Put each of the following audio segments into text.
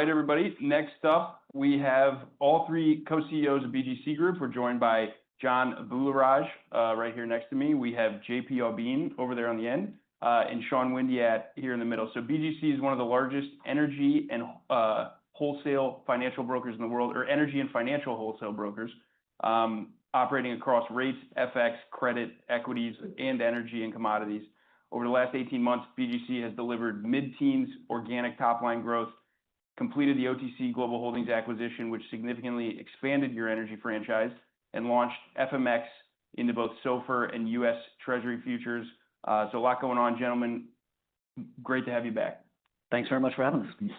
All right, everybody. Next up, we have all three Co-CEOs of BGC Group. We're joined by John Abularrage right here next to me, we have JP Aubin over there on the end, and Sean Windeatt here in the middle. BGC is one of the largest energy and wholesale financial brokers in the world, or energy and financial wholesale brokers operating across rates, FX, credit, equities, and energy and commodities. Over the last 18 months, BGC has delivered mid-teens organic top-line growth, completed the OTC Global Holdings acquisition, which significantly expanded your energy franchise, and launched FMX into both SOFR and U.S. Treasury futures. A lot going on, gentlemen. Great to have you back. Thanks very much for having us.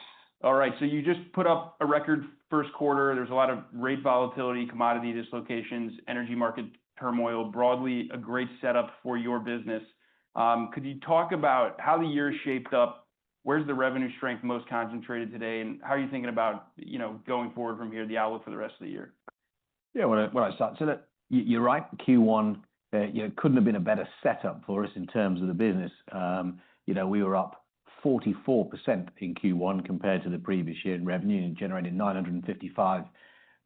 All right. You just put up a record first quarter. There's a lot of rate volatility, commodity dislocations, energy market turmoil. Broadly, a great setup for your business. Could you talk about how the year shaped up, where's the revenue strength most concentrated today, and how are you thinking about going forward from here, the outlook for the rest of the year? Yeah. Why don't I start? Look, you're right, Q1 couldn't have been a better setup for us in terms of the business. We were up 44% in Q1 compared to the previous year in revenue and generated $955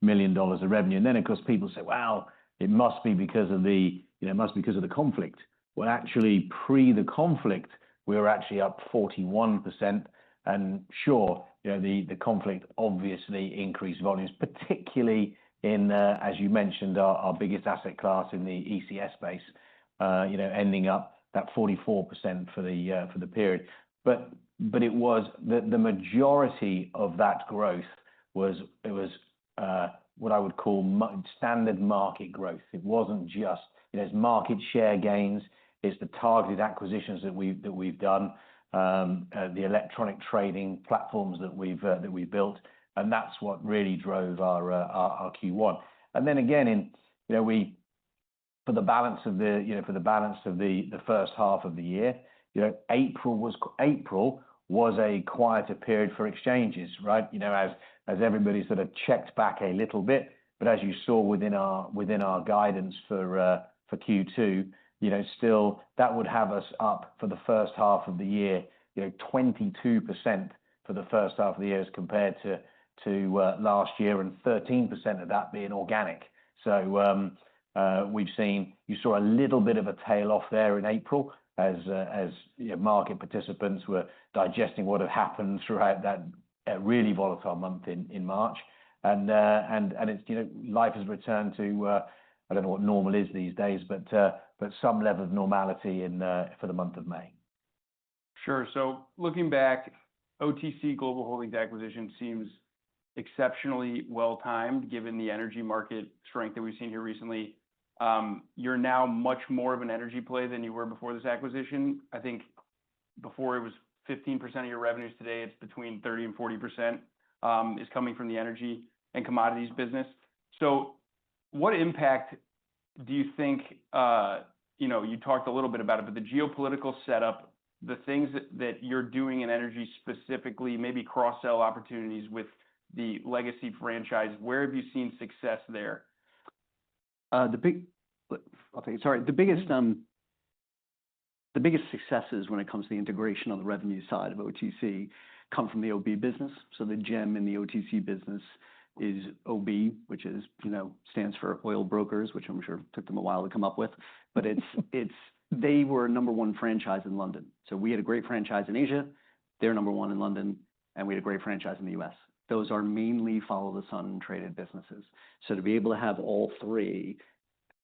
million of revenue. Then, of course, people say, well, it must be because of the conflict. Well, actually, pre the conflict, we were actually up 41%. Sure, the conflict obviously increased volumes, particularly in, as you mentioned, our biggest asset class in the ECS space, ending up that 44% for the period. The majority of that growth was what I would call standard market growth. It wasn't just market share gains, it's the targeted acquisitions that we've done, the electronic trading platforms that we've built, and that's what really drove our Q1. Then again, for the balance of the first half of the year, April was a quieter period for exchanges, right? As everybody sort of checked back a little bit. As you saw within our guidance for Q2, still, that would have us up for the first half of the year, 22% for the first half of the year as compared to last year, and 13% of that being organic. You saw a little bit of a tail off there in April as market participants were digesting what had happened throughout that really volatile month in March. Life has returned to, I don't know what normal is these days, but some level of normality for the month of May. Sure. Looking back, OTC Global Holdings acquisition seems exceptionally well-timed given the energy market strength that we've seen here recently. You're now much more of an energy play than you were before this acquisition. I think before it was 15% of your revenues. Today, it's between 30%-40% is coming from the energy and commodities business. What impact do you think, you talked a little bit about it, but the geopolitical setup, the things that you're doing in energy specifically, maybe cross-sell opportunities with the legacy franchise, where have you seen success there? I'll take it. Sorry. The biggest successes when it comes to the integration on the revenue side of OTC come from the OB business. The gem in the OTC business is OB, which stands for Oil Brokers, which I'm sure took them a while to come up with. They were number one franchise in London. We had a great franchise in Asia, they're number one in London, and we had a great franchise in the U.S. Those are mainly follow-the-sun traded businesses. To be able to have all three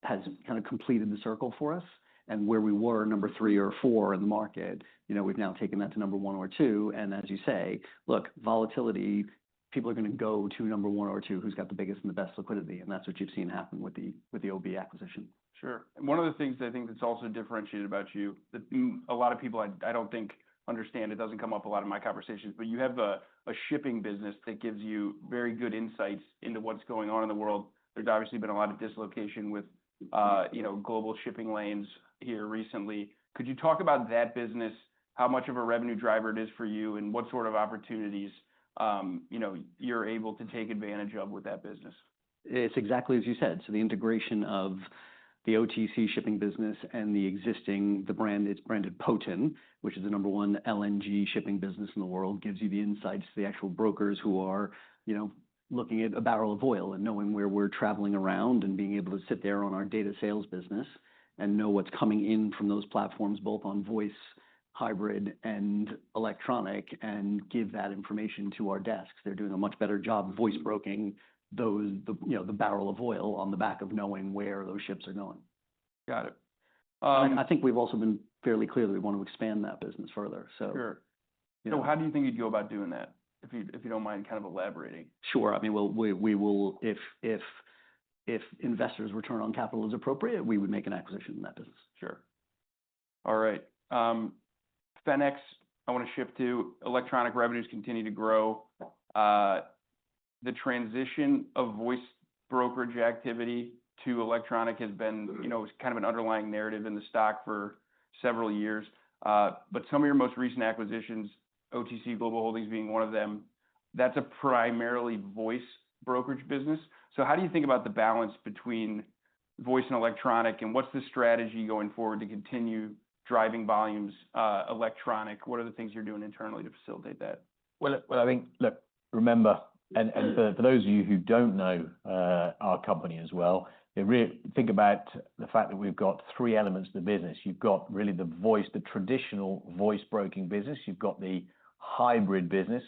has kind of completed the circle for us, and where we were number three or four in the market, we've now taken that to number one or two, and as you say, look, volatility, people are going to go to number one or two who's got the biggest and the best liquidity, and that's what you've seen happen with the OB acquisition. Sure. One of the things that I think that's also differentiated about you that a lot of people, I don't think understand it, doesn't come up a lot in my conversations, but you have a shipping business that gives you very good insights into what's going on in the world. There's obviously been a lot of dislocation with global shipping lanes here recently. Could you talk about that business, how much of a revenue driver it is for you, and what sort of opportunities you're able to take advantage of with that business? It's exactly as you said. The integration of the OTC shipping business and the existing brand, it's branded Poten, which is the number one LNG shipping business in the world, gives you the insights to the actual brokers who are looking at a barrel of oil. Knowing where we're traveling around and being able to sit there on our data sales business and know what's coming in from those platforms, both on voice, hybrid, and electronic, and give that information to our desks. They're doing a much better job voice broking the barrel of oil on the back of knowing where those ships are going. Got it. I think we've also been fairly clear that we want to expand that business further. Sure. How do you think you'd go about doing that? If you don't mind kind of elaborating. Sure. If investors' return on capital is appropriate, we would make an acquisition in that business. Sure. All right. Fenics, I want to shift to electronic revenues continue to grow. The transition of voice brokerage activity to electronic has been kind of an underlying narrative in the stock for several years. Some of your most recent acquisitions, OTC Global Holdings being one of them, that's a primarily voice brokerage business. How do you think about the balance between voice and electronic, and what's the strategy going forward to continue driving volumes electronic? What are the things you're doing internally to facilitate that? Look, remember, for those of you who don't know our company as well, think about the fact that we've got three elements to the business. You've got really the voice, the traditional voice broking business. You've got the hybrid business,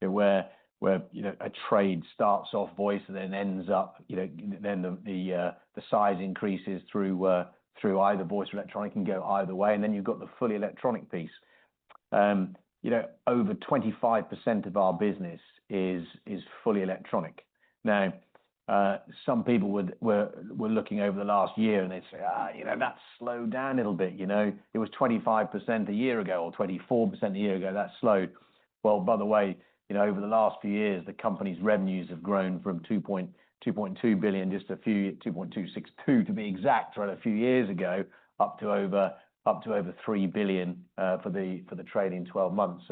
where a trade starts off voice. Then the size increases through either voice or electronic, can go either way. You've got the fully electronic piece. Over 25% of our business is fully electronic. Some people were looking over the last year, they'd say, "That's slowed down a little bit. It was 25% a year ago or 24% a year ago. That slowed. By the way, over the last few years, the company's revenues have grown from $2.2 billion, just a few, $2.262 to be exact, a few years ago, up to over $3 billion for the trailing 12 months.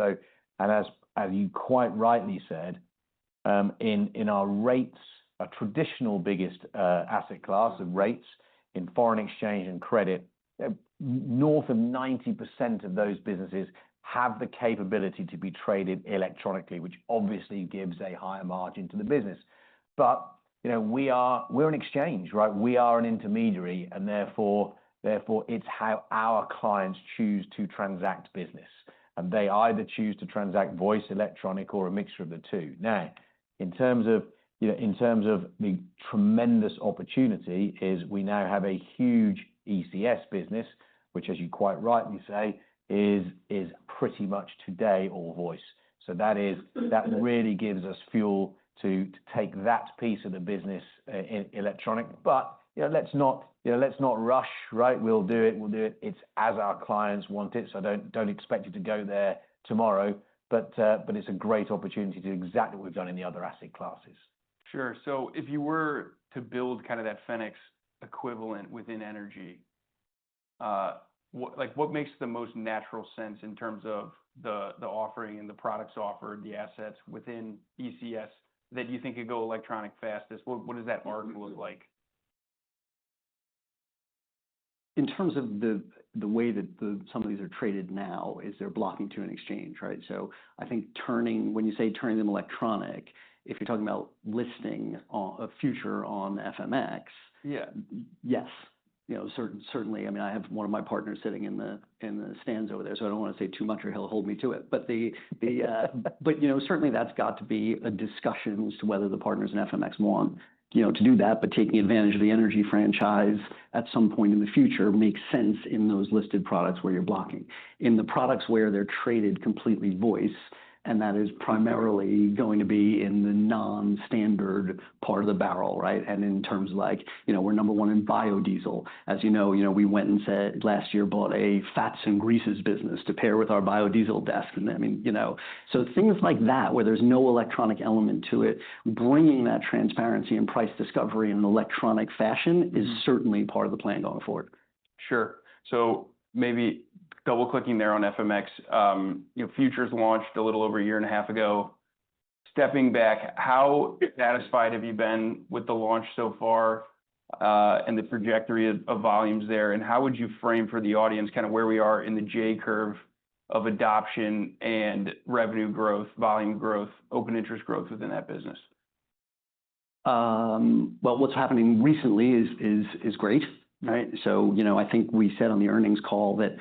As you quite rightly said, in our rates, our traditional biggest asset class of rates in foreign exchange and credit, north of 90% of those businesses have the capability to be traded electronically, which obviously gives a higher margin to the business. We're an exchange, right? We are an intermediary, therefore, it's how our clients choose to transact business. They either choose to transact voice, electronic, or a mixture of the two. In terms of the tremendous opportunity is we now have a huge ECS business, which as you quite rightly say, is pretty much today all voice. That really gives us fuel to take that piece of the business electronic. Let's not rush, right? We'll do it. It's as our clients want it, don't expect it to go there tomorrow. It's a great opportunity to do exactly what we've done in the other asset classes. Sure. If you were to build that Fenics equivalent within energy, what makes the most natural sense in terms of the offering and the products offered, the assets within ECS that you think could go electronic fastest? What does that market look like? In terms of the way that some of these are traded now is they're blocking to an exchange, right? I think when you say turning them electronic, if you're talking about listing a future on FMX. Yeah Yes. Certainly. I have one of my partners sitting in the stands over there, so I don't want to say too much or he'll hold me to it. Certainly that's got to be a discussion as to whether the partners in FMX want to do that. Taking advantage of the energy franchise at some point in the future makes sense in those listed products where you're blocking. In the products where they're traded completely voice, and that is primarily going to be in the non-standard part of the barrel, right? In terms like we're number one in biodiesel. As you know, we went and said last year bought a fats and greases business to pair with our biodiesel desk. Things like that, where there's no electronic element to it, bringing that transparency and price discovery in an electronic fashion is certainly part of the plan going forward. Sure. Maybe double-clicking there on FMX. Futures launched a little over a year and a half ago. Stepping back, how satisfied have you been with the launch so far, and the trajectory of volumes there, and how would you frame for the audience where we are in the J curve of adoption and revenue growth, volume growth, open interest growth within that business? Well, what's happening recently is great, right? I think we said on the earnings call that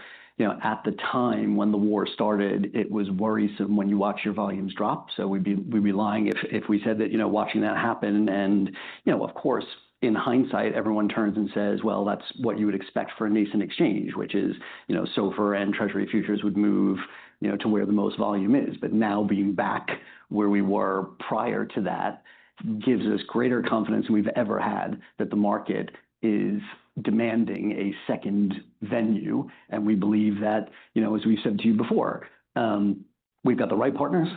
at the time when the war started, it was worrisome when you watch your volumes drop. We'd be lying if we said that watching that happen, and of course, in hindsight, everyone turns and says, well, that's what you would expect for a nascent exchange. Which is SOFR and Treasury futures would move to where the most volume is. Now being back where we were prior to that gives us greater confidence than we've ever had that the market is demanding a second venue. We believe that, as we've said to you before, we've got the right partners,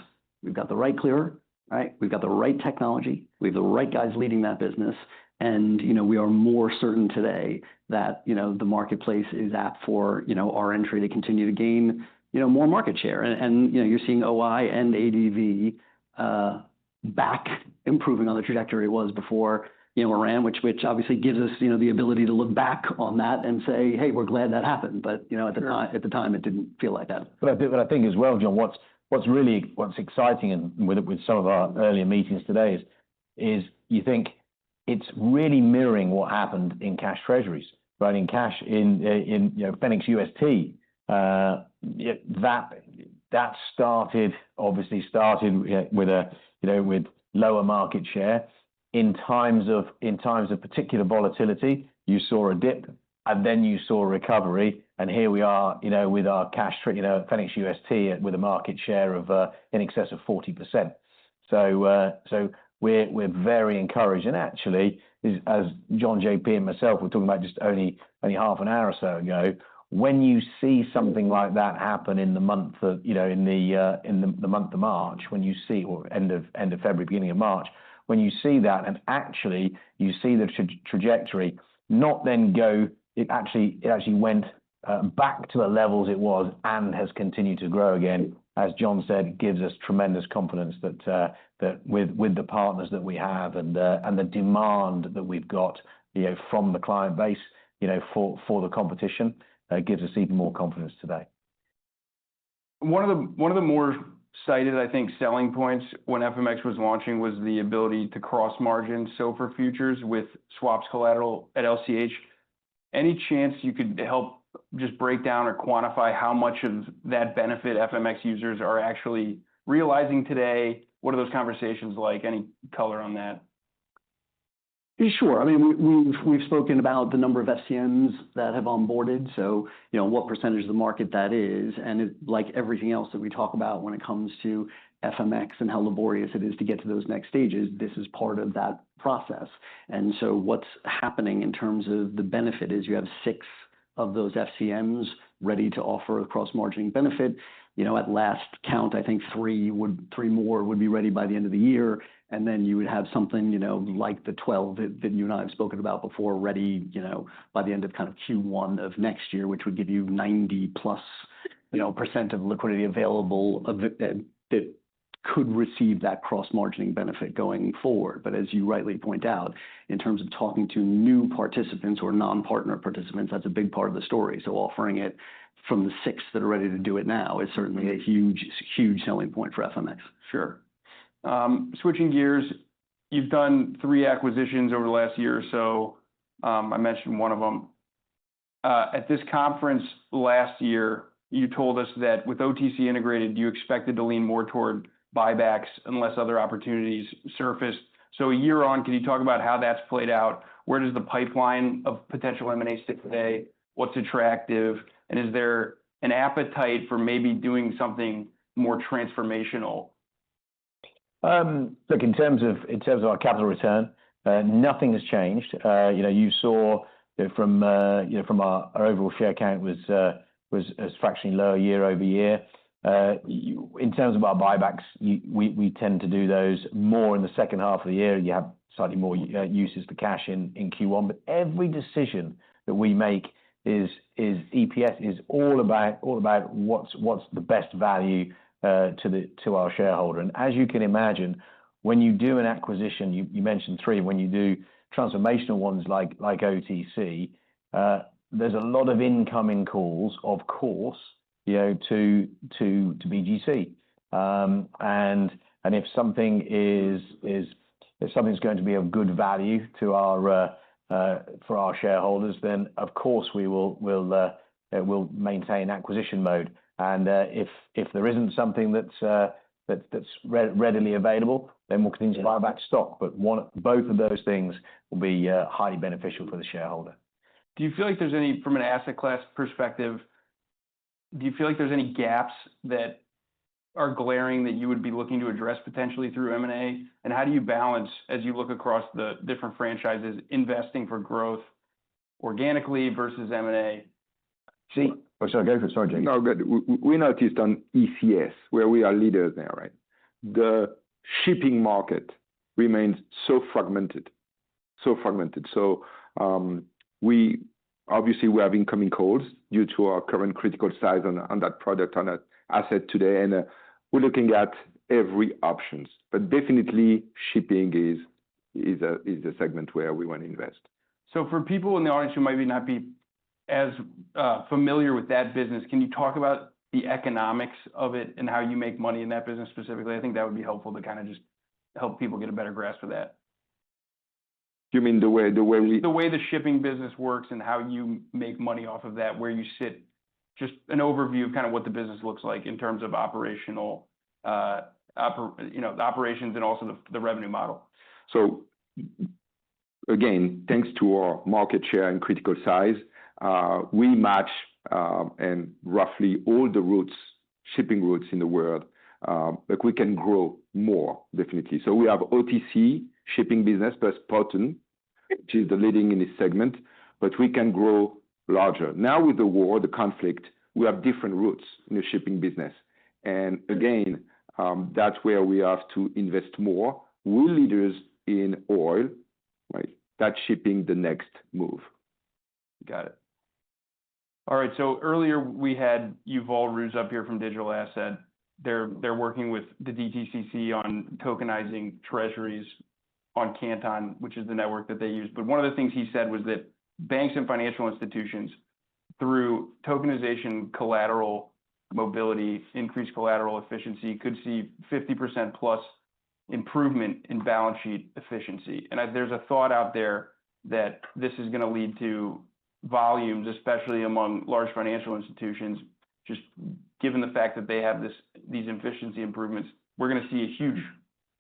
we've got the right clearer, right? We've got the right technology. We have the right guys leading that business. We are more certain today that the marketplace is apt for our entry to continue to gain more market share. You're seeing OI and ADV back improving on the trajectory it was before year end, which obviously gives us the ability to look back on that and say, hey, we're glad that happened. Sure at the time it didn't feel like that. I think as well, John, what's exciting, and with some of our earlier meetings today is you think it's really mirroring what happened in cash Treasuries. Right. In cash, in Fenics UST, that obviously started with lower market share. In times of particular volatility, you saw a dip, and then you saw a recovery. Here we are with our cash Fenics UST with a market share in excess of 40%. We're very encouraged. Actually, as John, JP and myself were talking about just only half an hour or so ago, when you see something like that happen in the month of March, or end of February, beginning of March. When you see that, and actually you see the trajectory not then go, it actually went back to the levels it was and has continued to grow again, as John said, gives us tremendous confidence that with the partners that we have and the demand that we've got from the client base for the competition, gives us even more confidence today. One of the more cited, I think, selling points when FMX was launching was the ability to cross margin. For futures with swaps collateral at LCH, any chance you could help just break down or quantify how much of that benefit FMX users are actually realizing today? What are those conversations like? Any color on that? Sure. We've spoken about the number of FCMs that have onboarded, so what percent of the market that is, and like everything else that we talk about when it comes to FMX and how laborious it is to get to those next stages, this is part of that process. What's happening in terms of the benefit is you have six of those FCMs ready to offer a cross-margining benefit. At last count, I think three more would be ready by the end of the year, and then you would have something like the 12 that you and I have spoken about before ready by the end of Q1 of next year, which would give you 90%+ of liquidity available that could receive that cross-margining benefit going forward. As you rightly point out, in terms of talking to new participants or non-partner participants, that's a big part of the story. Offering it from the six that are ready to do it now is certainly a huge selling point for FMX. Sure. Switching gears, you've done three acquisitions over the last year or so. I mentioned one of them. At this conference last year, you told us that with OTC integrated, you expected to lean more toward buybacks unless other opportunities surfaced. A year on, can you talk about how that's played out? Where does the pipeline of potential M&A sit today? What's attractive, is there an appetite for maybe doing something more transformational? In terms of our capital return, nothing has changed. You saw from our overall share count was fractionally lower year-over-year. In terms of our buybacks, we tend to do those more in the second half of the year. You have slightly more uses for cash in Q1. Every decision that we make is EPS, is all about what's the best value to our shareholder. As you can imagine, when you do an acquisition, you mentioned three, when you do transformational ones like OTC, there's a lot of incoming calls, of course, to BGC. If something's going to be of good value for our shareholders, then of course we'll maintain acquisition mode, and if there isn't something that's readily available, then we'll continue to buy back stock. Both of those things will be highly beneficial for the shareholder. From an asset class perspective, do you feel like there's any gaps that are glaring that you would be looking to address potentially through M&A? How do you balance as you look across the different franchises investing for growth organically versus M&A? Oh, sorry, go for it. Sorry, JP. No, good. We noticed on ECS, where we are leaders now, right? The shipping market remains so fragmented. Obviously, we have incoming calls due to our current critical size on that product, on that asset today, and we're looking at every option. Definitely shipping is a segment where we want to invest. For people in the audience who might not be as familiar with that business, can you talk about the economics of it and how you make money in that business specifically? I think that would be helpful to kind of just help people get a better grasp of that. Do you mean the way we-? The way the shipping business works and how you make money off of that, where you sit, just an overview of what the business looks like in terms of the operations and also the revenue model. Again, thanks to our market share and critical size, we match in roughly all the shipping routes in the world, but we can grow more, definitely. We have OTC shipping business. That's Poten, which is the leading in this segment, but we can grow larger. Now with the war, the conflict, we have different routes in the shipping business. Again, that's where we have to invest more. We're leaders in oil, right? That's shipping the next move. Got it. All right. Earlier we had Yuval Rooz up here from Digital Asset. They're working with the DTCC on tokenizing Treasuries on Canton, which is the network that they use. One of the things he said was that banks and financial institutions, through tokenization, collateral mobility, increased collateral efficiency, could see 50%+ improvement in balance sheet efficiency. There's a thought out there that this is going to lead to volumes, especially among large financial institutions, just given the fact that they have these efficiency improvements. We're going to see a huge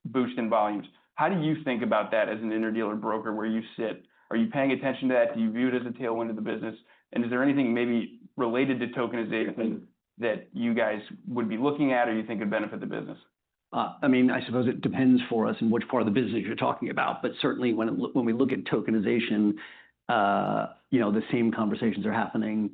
boost in volumes. How do you think about that as an inter-dealer broker, where you sit? Are you paying attention to that? Do you view it as a tailwind of the business? Is there anything maybe related to tokenization that you guys would be looking at or you think could benefit the business? I suppose it depends for us on which part of the business you're talking about. Certainly when we look at tokenization, the same conversations are happening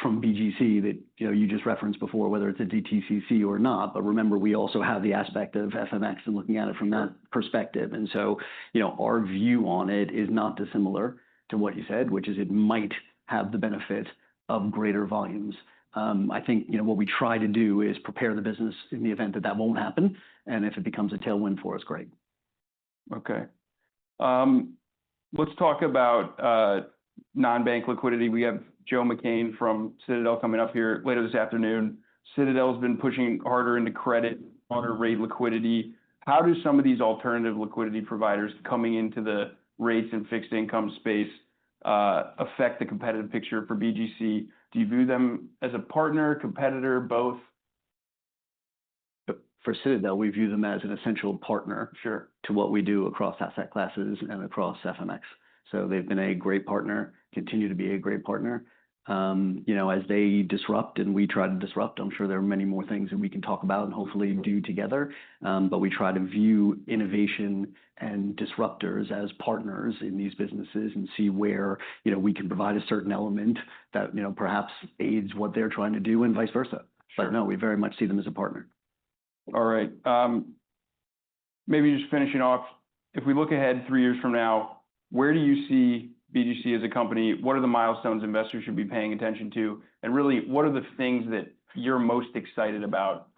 from BGC that you just referenced before, whether it's a DTCC or not. Remember, we also have the aspect of FMX and looking at it from that perspective. Our view on it is not dissimilar to what you said, which is it might have the benefit of greater volumes. I think what we try to do is prepare the business in the event that that won't happen. If it becomes a tailwind for us, great. Okay. Let's talk about non-bank liquidity. We have Joseph Mecane from Citadel coming up here later this afternoon. Citadel's been pushing harder into credit, harder rate liquidity. How do some of these alternative liquidity providers coming into the rates and fixed income space affect the competitive picture for BGC? Do you view them as a partner, competitor, both? For Citadel, we view them as an essential partner. Sure To what we do across asset classes and across FMX. They've been a great partner, continue to be a great partner. As they disrupt and we try to disrupt, I'm sure there are many more things that we can talk about and hopefully do together. We try to view innovation and disruptors as partners in these businesses and see where we can provide a certain element that perhaps aids what they're trying to do and vice versa. Sure. No, we very much see them as a partner. All right. Maybe just finishing off, if we look ahead three years from now, where do you see BGC as a company? What are the milestones investors should be paying attention to? Really, what are the things that you're most excited about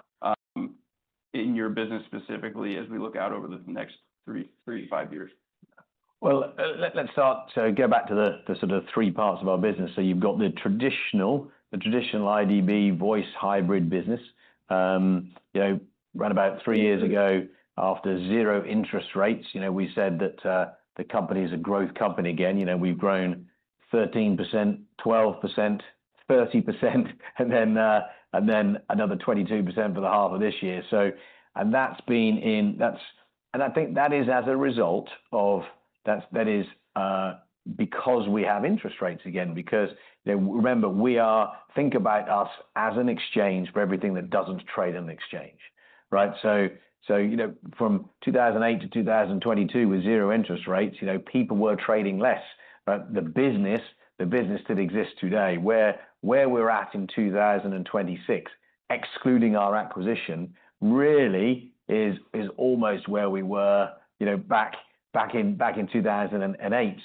in your business specifically as we look out over the next three to five years? Let's start to go back to the three parts of our business. You've got the traditional IDB voice hybrid business. Round about three years ago, after zero interest rates, we said that the company is a growth company again. We've grown 13%, 12%, 30%, and then another 22% for the half of this year. I think that is because we have interest rates again. Remember, think about us as an exchange for everything that doesn't trade on an exchange. Right? From 2008 to 2022 with zero interest rates, people were trading less. The business that exists today, where we're at in 2026, excluding our acquisition, really is almost where we were back in 2008,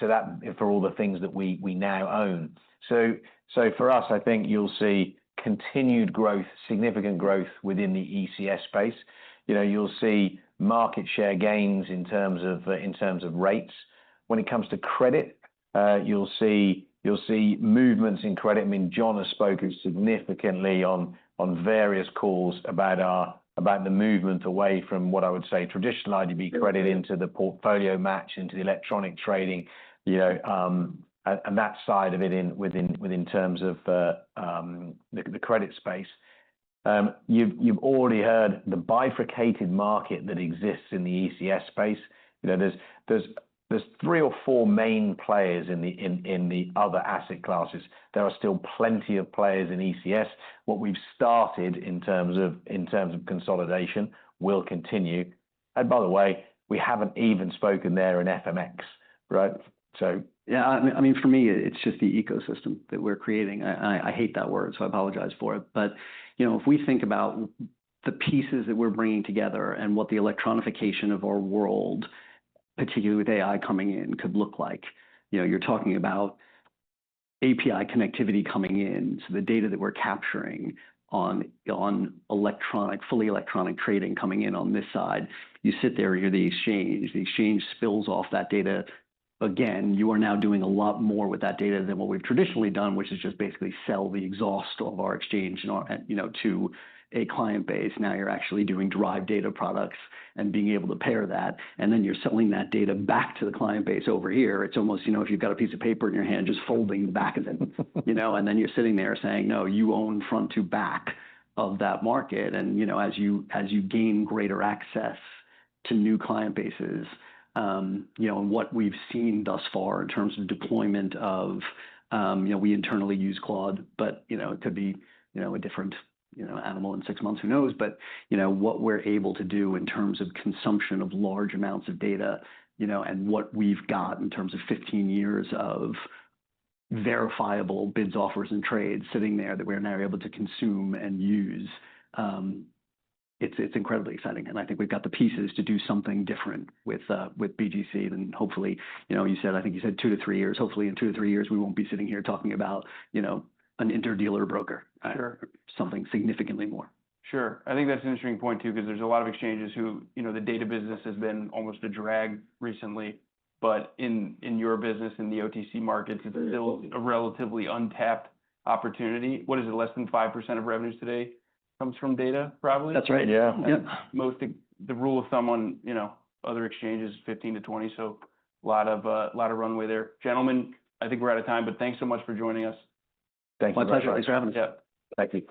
for all the things that we now own. For us, I think you'll see continued growth, significant growth within the ECS space. You'll see market share gains in terms of rates. When it comes to credit, you'll see movements in credit. John has spoken significantly on various calls about the movement away from what I would say traditional IDB credit into the PortfolioMatch, into the electronic trading, and that side of it within terms of the credit space. You've already heard the bifurcated market that exists in the ECS space. There's three or four main players in the other asset classes. There are still plenty of players in ECS. What we've started in terms of consolidation will continue. By the way, we haven't even spoken there in FMX, right? Yeah, for me, it's just the ecosystem that we're creating. I hate that word, so I apologize for it. If we think about the pieces that we're bringing together and what the electronification of our world, particularly with AI coming in, could look like. You're talking about API connectivity coming in. The data that we're capturing on fully electronic trading coming in on this side. You sit there, you're the exchange. The exchange spills off that data. Again, you are now doing a lot more with that data than what we've traditionally done, which is just basically sell the exhaust of our exchange to a client base. Now you're actually doing derived data products and being able to pair that, and then you're selling that data back to the client base over here. It's almost, if you've got a piece of paper in your hand, just folding back then. You're sitting there saying, no, you own front to back of that market. As you gain greater access to new client bases, and what we've seen thus far in terms of deployment, we internally use Claude, but it could be a different animal in six months, who knows? What we're able to do in terms of consumption of large amounts of data, and what we've got in terms of 15 years of verifiable bids, offers, and trades sitting there that we're now able to consume and use, it's incredibly exciting, and I think we've got the pieces to do something different with BGC than hopefully, I think you said two to three years. Hopefully in two to three years, we won't be sitting here talking about an interdealer broker. Sure. Something significantly more. Sure. I think that's an interesting point, too, because there's a lot of exchanges who the data business has been almost a drag recently, but in your business, in the OTC markets, it's still a relatively untapped opportunity. What is it? Less than 5% of revenues today comes from data, probably? That's right. Yeah. Yep. The rule of thumb on other exchanges is 15%-20%, so a lot of runway there. Gentlemen, I think we're out of time, but thanks so much for joining us. Thank you very much. My pleasure. Thanks for having us. Thank you.